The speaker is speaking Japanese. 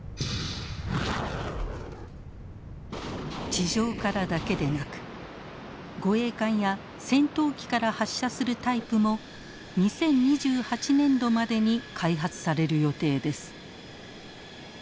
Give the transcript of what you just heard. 地上からだけでなく護衛艦や戦闘機から発射するタイプも２０２８年度までに開発される予定です。